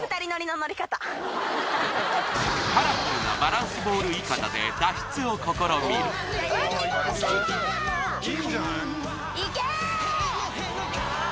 カラフルなバランスボールイカダで脱出を試みる浮きました！